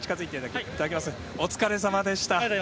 お疲れさまでした。